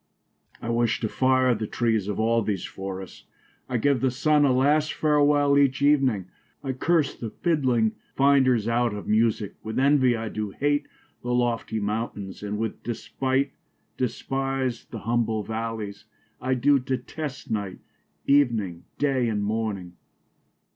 I wish to fire the trees of all these forrests ; I give the Sunne a last farewell each evening ; I curse the fidling finders out of Musicke : With envie I doo hate the loftie mountaines ; And with despite despise the humble val/ies : I doo detest night , evening, day, and morning.